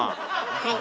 はい。